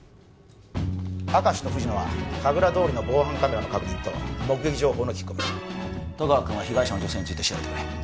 明石と藤野は神楽通りの防犯カメラの確認と目撃情報の聞き込み戸川君は被害者の女性について調べてくれ